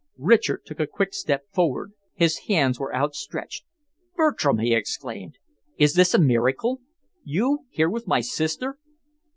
Richard took a quick step forward. His hands were outstretched. "Bertram!" he exclaimed. "Is this a miracle? You here with my sister?"